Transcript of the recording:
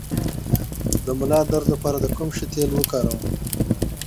د ملا درد لپاره د کوم شي تېل وکاروم؟